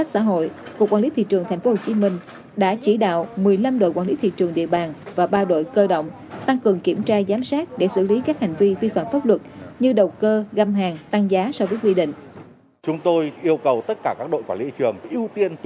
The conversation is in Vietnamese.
cục quản lý thị trường tp hcm đã chỉ đạo một mươi năm đội quản lý thị trường địa bàn và ba đội cơ động tăng cường kiểm tra giám sát để xử lý các hành vi vi phạm pháp luật như đầu cơ găm hàng tăng giá so với quy định